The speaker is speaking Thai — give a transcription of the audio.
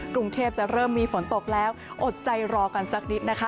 กรุงเทพจะเริ่มมีฝนตกแล้วอดใจรอกันสักนิดนะคะ